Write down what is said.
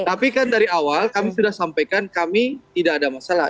tapi kan dari awal kami sudah sampaikan kami tidak ada masalah